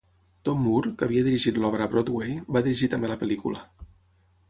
Tom Moore, que havia dirigit l'obra a Broadway, va dirigir també la pel·lícula.